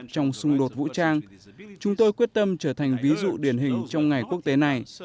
trong xung đột vũ trang chúng tôi quyết tâm trở thành ví dụ điển hình trong ngày quốc tế này